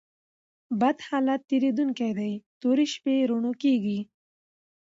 بد حالت تېرېدونکى دئ؛ توري شپې رؤڼا کېږي.